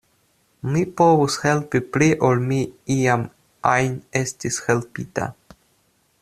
Mi povus helpi pli ol mi iam ajn estis helpita.